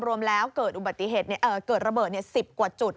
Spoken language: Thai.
รวมแล้วเกิดระเบิด๑๐กว่าจุด